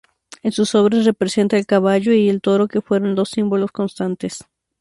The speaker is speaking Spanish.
En sus obras representa al caballo y el toro que fueron dos símbolos constantes.